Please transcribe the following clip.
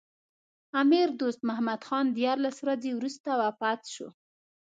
امیر دوست محمد خان دیارلس ورځې وروسته وفات شو.